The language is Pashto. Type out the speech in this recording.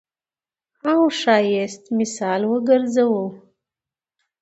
او ښايست مثال وګرځوو.